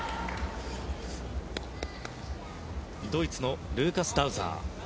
ドイツのルーカス・ダウザー。